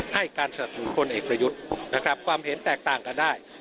ให้การสนับสนุนพลเอกประยุทธ์นะครับความเห็นแตกต่างกันได้